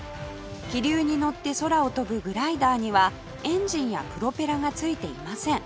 気流に乗って空を飛ぶグライダーにはエンジンやプロペラがついていません